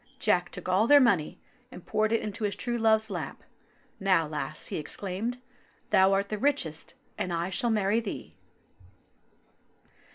Jack took all their money and poured it into his true love's lap. "Now, lass," he exclaimed, "thou art the richest, and I shall marry thee."